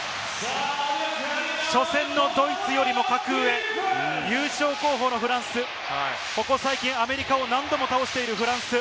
初戦のドイツよりも格上、優勝候補のフランス、ここ最近、アメリカを何度も倒しているフランス。